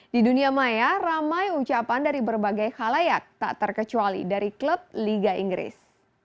di dunia maya ramai ucapan dari berbagai halayak tak terkecuali dari klub liga inggris